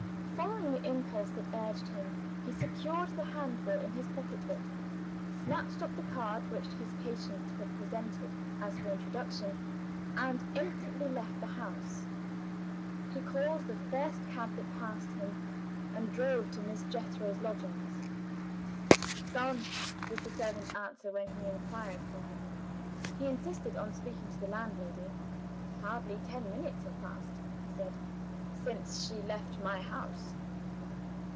Following the impulse that urged him, he secured the Handbill in his pocketbook snatched up the card which his patient had presented as her introduction and instantly left the house. He called the first cab that passed him, and drove to Miss Jethro's lodgings. "Gone" was the servant's answer when he inquired for her. He insisted on speaking to the landlady. "Hardly ten minutes have passed," he said, "since she left my house."